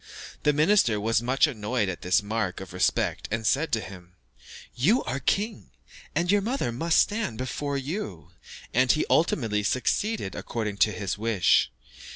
The minister was much annoyed at this mark of respect, and said to him, "You are king, and your mother must stand before you." And he ultimately succeeded according to his wish.